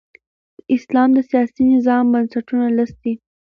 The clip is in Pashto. د اسلام د سیاسي نظام بنسټونه لس دي.